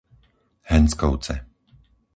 Henckovce